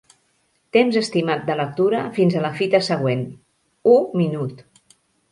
Temps estimat de lectura fins a la fita següent: u minut.